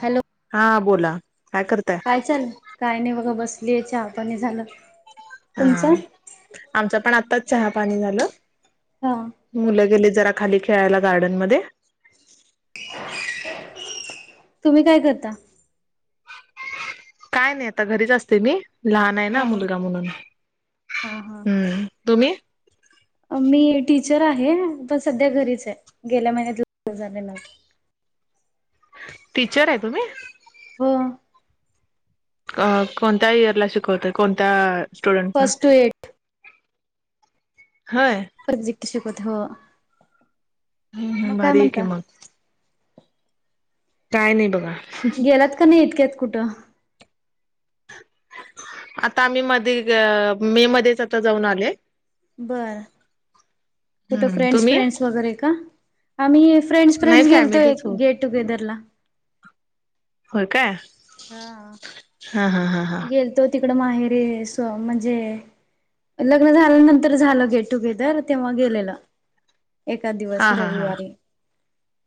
Hello! हां बोलां कायं करतांय? कायं चालं कायं नाहीं बघां बसली चहा आं पाणी झालं. तुमचं हां आमचं पणं आताचं चहा पाणी झालं. हा मुलं गेली जरां खाली खेळांयला गार्डनमध्यें. तुम्हीं कायं करतां? कायं नाहीं आंता घरीच असते मी लहांन आहे हा नां मुलंगा म्हणूंन हा हा हम्मं.. तुम्हीं? मी टीचर आहे पणं संध्या घरीच आहे गेल्या महिन्यांत लग्नं झाले माझं टीचरं आहे तुम्हीं! हो! अं कोणत्यां इयरला शिकवतंय कोणत्यां स्टुडंट नां फर्स्ट टू एट होयं शिक्षकं अथवां मंग कायं भारी आहे की म्हणतां मग कायं नाहीं बघां. गेलांत कां नाहीं इतक्यांत कुंठं आंता आम्हीं मध्यें मे मध्येचं मे आंता जाऊंन आले. बरं. कुठं हम्म फ्रेंड्स तुम्ही फ्रेंड्स वगैरें कां आम्हीं फ्रेंड्स नाही फ्रेंडसेलोय फॅमिलीच हो गेटं टुंगेदरला. हो कायं हां हां हां हां त्यांचं तिकडं माहेरे आहे म्हणजे. लग्नं झाल्यानंतर झालेल गेट टुंगेदर तेंव्हा गेलेलं. एकां हा दिवसं हा हा रविवारी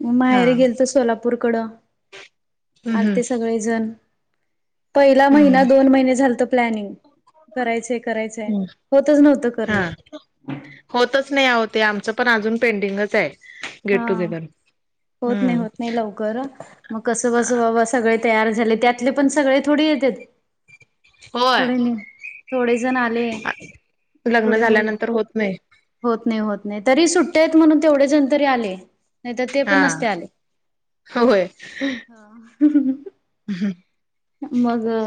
मंग हा माहेर गेलं तरं सोलापूर हम्म भूरंकड आं ते हम्म सगळें जणं पहिलं महिना हम्म दोन महिने झालंय प्लॅनिंग करायचं करायचे हम्म होतंच नव्हतं करणं. होतंच नाहीं हो ते आमचं पणं अजूंन पेंडिंगचं आहे हा गेट-टुंगेदर हां हम्मं मंग कसं बसं बाबां सगळें तयार झाले त्यांतले पणं सगळें थोडे येतील होय थोडे थोडे जणं आले लग्न थोडे मुलं झाल्यानंतर होत नाही होतं नाहीं होतं नाहीं तरी सुट्ट्याेत म्हणूंन तेवढे जणं तरी आले नाहीं तरं ते पणं हा नसते आले होय हं हह. मग अ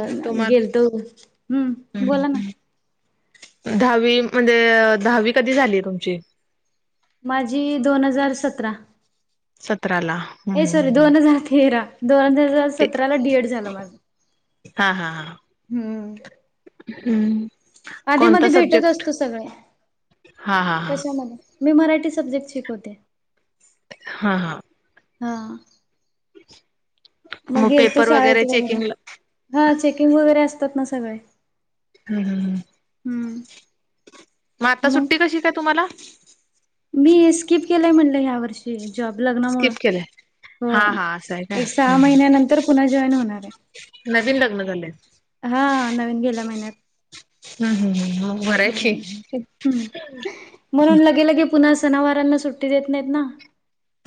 गेलतो, हम्म, बोला ना. दहावी, म्हणजे दहावी कधी झालीय तुमची? माझी दोन हजार सतरा, सतराला ए सॉरी हम्म दोन हजार तेरा-. दोन हजार सतराला डी एड झालं माझं. हां हा हा... हम्म. हम्म. आदि कोणता मदि भेटत सब्जेक्ट असतो सगळ, हा हा हा कशामध्ये? मी मराठी सब्जेक्ट शिकवते. हां हां. हां. मग, गेल तो शाळेत वगैरे, हां चेकिंग वगैरे असतात ना सगळे. ह्मं, हम्म हम्म म आता मग सुट्टी कशी काय तुम्हाला? मी स्किप केलाय म्हणलं, ह्या वर्षी, जॉब, लग्नामुळ. हां हां असंय का? ह्म, महिन्यानंतर पुन्हा जॉईन होणार नवीन लग्न झालंय? हां नवीन, गेल्या महिन्यात. हम् हम् मं बरंय हम्म की. हम्म म्हणून लगे लगे पुन्हा सनावारांना सुट्टी देत नाहीत ना.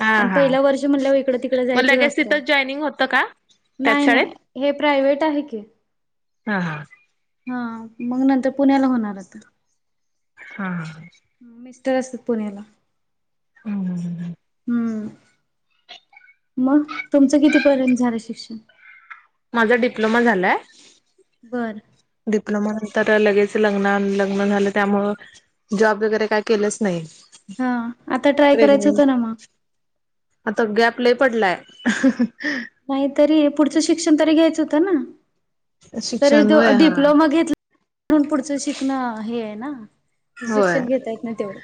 हा अन हा पहिलं वर्ष म्हणल्यावं, इकडं-तिकडं मग जायचंच लगेच असतंय, तिथं जॉईनिंग होतं का त्याच शाळेत नाही-नाही. हे प्रायव्हेट आहे की. हां हां. हां मंग नंतर पुण्याला होणार आता. हां ह्म. म मिस्टर असतात पुण्याला. हम हम हम. मं तुमचं किती पर्यंत झालं, शिक्षण? माझा डिप्लोमा झालाय. बरं. डिप्लोमा नंतर लगेच लग्न, लग्न झालं त्यामुळ जॉब वगैरे काय केलंच नाही. हां, आता ट्राय करायचं प्रेग्नेंट होतं ना, मग? आता गॅप लय पडलाय, ह्ह्हणं हं. नाहीतरी पुढच शिक्षण तरी घ्यायचं होत ना, तरीच शिक्षण द होय हा -डिप्लोमा घेत म्हणून पुढचं शिकणं, हे ये ना, शिक्षण घेता येत नाही तेवढं.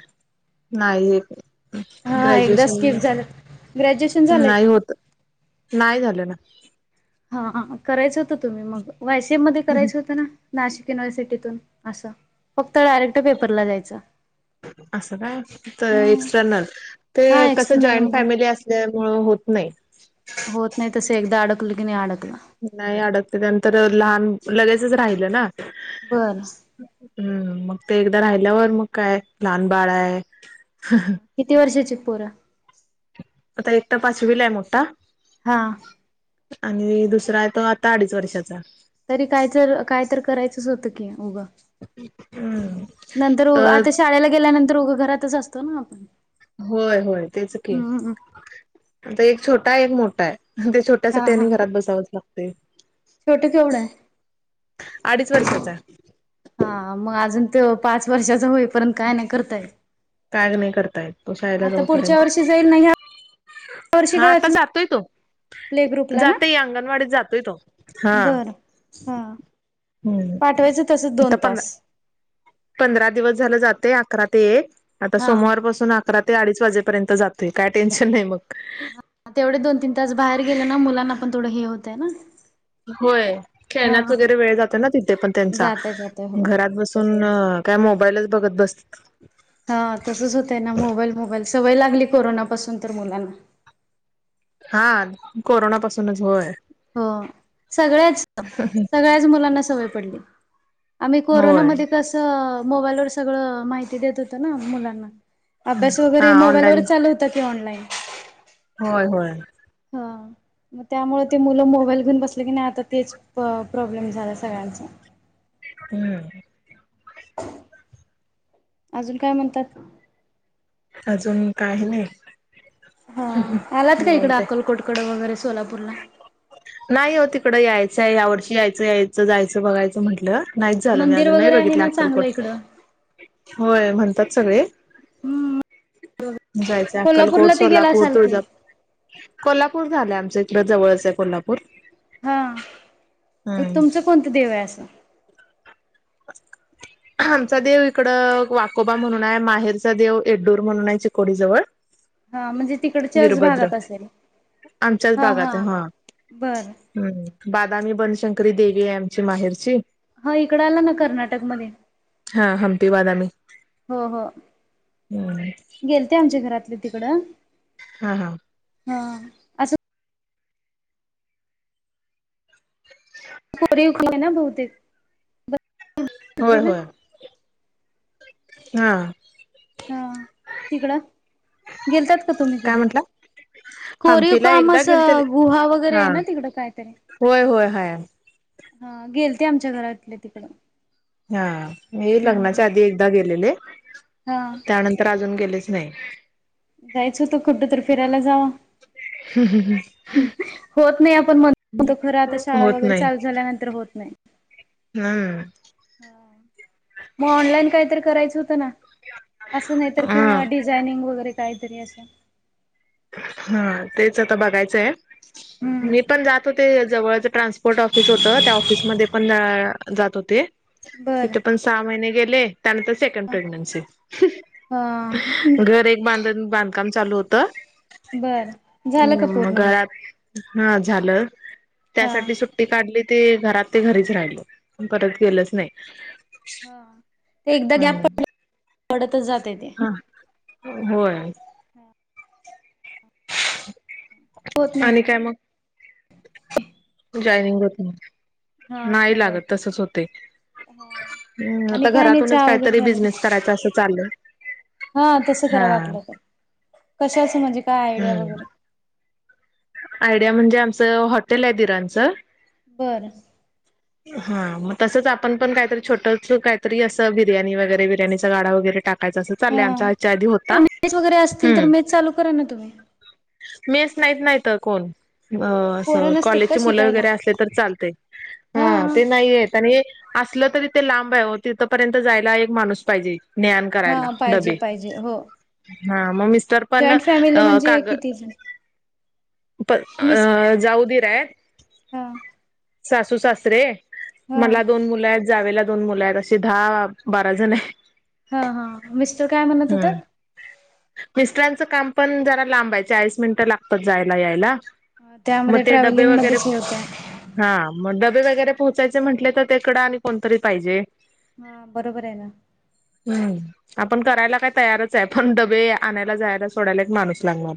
नाहीत. हा एकदा ग्रॅज्युएशन स्किप झालं. ग्रॅज्युएशन [unintelligible] झालंय नाही का? होत, नाही झालं ना. हां हां, करायचं होतं तुम्ही मग, वाय सी एम मध्ये करायचं होतं ना. नाशिक युनिव्हर्सिटीतून असं, फक्त डायरेक्ट पेपरला जायचं. असं का फक्त एक्सटर्नल? ते हा कसं एक्सटर्नल जॉईंट मध्ये फॅमिली अस ल्या मुळ, होत नाही. होत नाही, तसं एकदा अडकलं की, नही अडकलं. नाही अडकते, नंतर लहान लगेचच राहिलं ना. बरं. हम्, मंग ते एकदा राहिल्यावर, मंग काय, लहान बाळ आहे. ह्हणं. किती वर्षाची पोर? आता एकत पाचवीलाय मोठा. हा. आणि दुसरा आहे तो आता अडीच वर्षाचा. तरी काय तर काय तर करायचंच होतं की उगं हम्म नंतर उ तर आता शाळेला गेल्यानंतर उगा घरातच असतो ना आपण. होय, होय तेच की हम्म आता एक छोटा आहे, एक मोठा आहे ते छोट हा तसं हा त्यांनी घरात बसावच लागते. छोटं केवढ आहे? अडीच वर्षाचा. हा मग अजून त्यो पाच वर्षाचा होईपर्यंत काय नाही करताय. काय नाही करता येत तो शाळेला पुढच्या जाईपर्यंत. वर्षी जाईल ना ह्या वर्षी हा काय आता घातलं जातोय तो. प्ले ग्रुपला ना जातये अंगणवाडीत जातोय तो, हा. बरं. हा हम्म पाठवायचं तसच आता दोन पंध तास. पंधरा दिवस झालं जाते अकरा ते एक आता हा सोमवार पासून राते अडीच वाजेपर्यंत जातोय काय टेन्शन नाही मग. तेवढे दोन तीन तास बाहेर गेलो ना मुलांना पण थोडं हे होतंय ना. होय हा खेळण्यात वगैरे वेळ जाते ना तिथे पण त्यांचा जातय जातय हो. घरात बस पण काय मोबाईलच बघत बसत हा तसच होतय ना मोबाईल, मोबाईल सवय लागली कोरोनापासून तर मुलांना. हा कोरोना पासूनच होय. हो सगळ्याच, सगळ्याच मुलांना सवय पडली. आम्ही होय कोरोनामध्ये कसं मोबाईलवर सगळं माहिती देत होत ना मुलांना. अभ्यास हा वगैरे ऑनलाईन मोबाईलवरच चालू होता की ऑनलाईन. होय, होय. ह. मग त्यामुळे ते मुलं मोबाईल घेऊन बसले की नाही आता तेच प्रॉब्लेम झाला सगळ्यांचा. हम्म. अजून काय म्हणतात? अजून काय नाही. हा आलात का इकडे निवांत आहे अकलकोटकड वगैरे सोलापूरला? नाही हो तिकड यायचंय यावर्षी यायचं, यायचं, जायचं बघायचं म्हटलं. नाहीच झालं मी मंदिर अजून नाही वगैरे आहे बघितले ना चांगलं अक्कलकोट इकडं होय म्हणतात सगळे जायचं अक्कलकोड, कोल्हापूरला ते गेला सोलापूर, असाल की तुळजापूर कोल्हापूर झालंय आमचं इकड जवळच आहे कोल्हापूर. हा हम्म. तुमच कोणत देव आहे असं? अ [inaudible] आमचा देव इकड वाकोबा म्हणून आहे माहेरचा देव एड्डूर म्हणून आहे चिकोडीजवळ. हा म्हणजे तिकडच्याच वीरभद्र भागात असेल. आमच्याच भागात आहे हा. बरं हम्म बादामी बनशंकरी देवी आहे आमची माहेरची. ह इकड आला ना कर्नाटकमध्ये. हा हम्पी वादामी. हो हो गेल ते आमच्या घरातले तिकडं हा हा. हा. असं [inaudible] [inaudible] ना भावतेक. होय होय हा. हा तिकडं गेलतात का तुम्ही काय कधी? म्हंटला? कोरीव हंपीला काम एकदा गेलते असं गुहा वगैरे हा आय ना तिकडं कायतरी? होय होय हाय. हा गेलते आमच्या घरातले तिकडं. हा मी हम्म लग्नाच्या आधी एकदा गेलेले. हा. त्यानंतर अजून गेलेच नाय. जायचं होतं कुटतर फिरायला जावा. [unintelligible] होत नाय आपण म्हणतो खर आता शाळा होत वगैरे नाही चालू झाल्यानंतर होत नाय हम्म. हा मग ऑनलाईन काहीतरी करायचं होतं ना. असं नाय तर हा. किंवा डिझाइनिंग वगैरे काहीतरी असं. हा तेच आता बघायचंय हाय हम्म मी पण जात होते जवळच ट्रान्स पोर्ट ऑफिस होत त्या ऑफिसमध्ये पण जात होते. बरं तिथ पण सहा महिने गेले त्यांन सेकंड हा प्रेग्नेंसी घर एक बांधन-बांधकाम चालू होत. बर झालं का हम् म पूर्ण मग घरात हा झालं हा त्यासाठी सुट सुट्टी काढली ते घरात ते घरीच राहिल प परत गेलच नाय. हा ते एकदा गॅप प- पडतच जातय ते. हा होय. होत नाही आणि काय म? जॉनिंग होत नाय, हा होत नाय नाही लागत लवकर तसच होतय. हा हम्म आणि आता काय नाही घरातूनच चहा काय वगैरे तरी झालं की बिझनेस करायचा असं चाललय. हा तसं करा वाटलं तर. कशाच असं म्हणजे काय आयडिया हम्म. वगैरे? आयडिया म्हणजे आमचं हॉटेल हाय दिरांचं. बरं. [inaudible] हा मग तसच आपण पण काहीतरी छोट काहीतरी असं बिर्याणी वगैरे बिर्याणीचा गाडा वगैरे टाक टाकायचं असं चाललंय हा आमचा हेच्या आधी होता मेस वगैरे असतील तर हम्म. मेस चालू करा ना तुम्ही मेस नायत ना इथ कोण. अ- असं पोरं नसतात का कॉलेजची मुलं शिकायला वगैरे असले तर चालतय हा ते नाहीयेत. आणि असलं तरी ते लांब आय ओ तिथपर्यंत जायला एक माणूस पाहिजे. न्हे आन हा करायला पाहिजे डब्बे पाहिजे हो हा मग मिस्टर पण जॉईंट फॅमिली म्हणजे काग किती जण प मिस अ जाऊ दिर आयत हा सासू, सासरे हा मला दोन मुलं आयत जावेला दोन मुलं आयत असे दहा बारा जण ए. हा हा मिस्टर काय म्हणत होत? मिस्टरांचा काम पण जरा लांब हाय चाळीस मिनिटं लागतात जायला यायला. मग त्यामध्ये ते डबे ट्रॅव्हलिंग वगैरे मध्येच हे होतय. हा म डब्बे वगैरे पोहोचायचे म्हटले तर तिकडं आणि कोणतरी पाहिजे. हा बरोबर ए ना. हम्म आपण करायला काय तयार चाय पण डब्बे आणायला जायला सोडायला एक माणूस लागणार.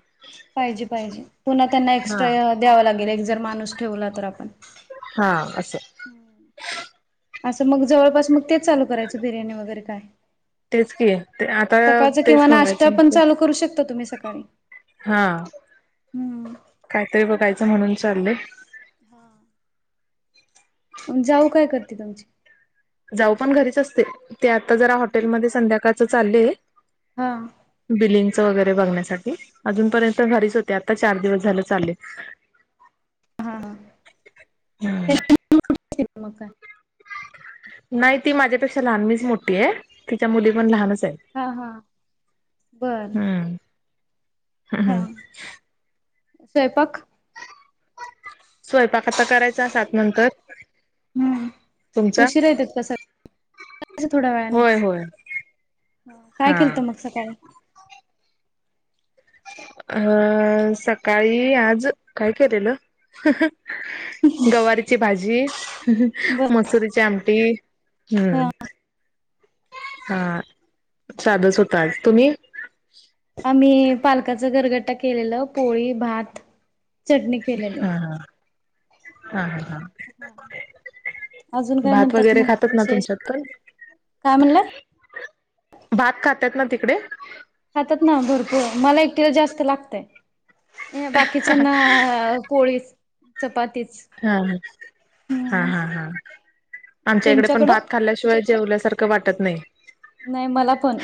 पाहिजे. पाहिजे. पुन्हा त्यांना हा. एक्स्ट्रा द्यावा लागेल. एक जर माणूस ठेवला तर आपण. हां. असं. असं मग जवळपास, मग तेच चालू करायचं बिर्याणी वगैरे काय. तेच की ते आता सकाळच तेच किंवा नास्ता बघायचं पण म्हटलं चालू करू शकता तुम्ही सकाळी. हा. हम्म कायतरी बघायचं म्हणून चाललय. हां. जाऊ काय करते तुमची? जाऊ पण घरीच असते. ते आता जरा हॉटेलमध्ये संध्याकाळच चाललेय. हां. बिलिंगच वगैरे बघण्यासाठी. अजूनपर्यंत घरीच होते आता चार दिवस झाले चालले. [inaudible] हा. हा. [unintelligible] मग काय? नाही ती माझ्यापेक्षा लहान. मीच मोठी आहे. तिच्या मुली पण लहानच आहेत. हा. हा. बर. हा. हा. स्वयपाक? स्वयंपाक आता करायचा सात नंतर. हम. तुमचा उशीरा येतात का सग - [unintelligible] थोड्या होय वेळानेच. होय काय हा. केलत मग सकाळी? अ -सकाळी आज काय केलेलं? गवारीची भाजी, बर मसुरीची आमटी- हम्म. ह हां. साधंच होत आज. तुम्ही? आम्ही पालकाच गरगट्टा केलेलं. पोळी भात. चटणी केलेली. हा हा. हा. हा. अजून काय भात म्हणतात वगैरे मग खातात ना विशेष तुमच्यात पण? काय म्हणलात भात खातात ना तिकडे? खातात ना भरपूर. मला एकटीला जास्त लागतय. बाकीच्याना पोळीच. चपातीच. हा. हा. हा. हम्म हा. हा. आमच्या इकडे पण तुमच्याकडं भात खाल्ल्याशिवाय- जेवल्यासारखं वाटत नाही. नाही मला पण.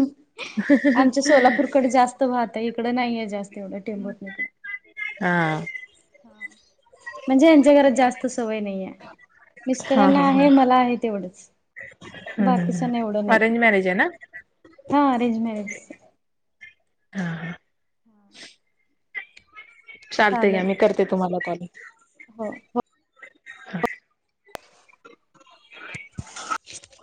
आमच्या सोलापूरकडे जास्त भात आहे इकडं नाहीये जास्त. तेवढ टेंबत [unintelligible] हा. हां. म्हणजे यांच्या घरात जास्त सवय नाहीए. हा मिस्टरांना हा हा आहे मला आहे तेवढंच. हम्म हम्म बाकीच्यांना एवढं हम्म नाही. अरेंज मॅरेज आहे ना हां. अरेंजमॅरेज. हा हा चालतय घ्या. चालेल मी करते तुम्हाला कॉल. हो. हो. हा. [inaudible]